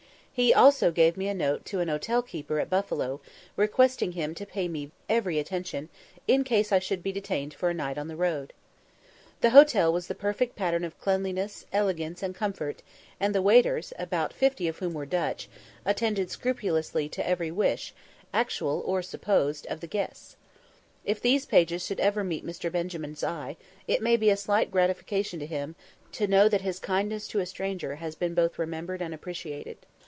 He also gave me a note to an hotel keeper at Buffalo, requesting him to pay me every attention, in case I should be detained for a night on the road. The hotel was a perfect pattern of cleanliness, elegance, and comfort; and the waiters, about fifty of whom were Dutch, attended scrupulously to every wish, actual or supposed, of the guests. If these pages should ever meet Mr. Benjamin's eye, it may be a slight gratification to him to know that his kindness to a stranger has been both remembered and appreciated.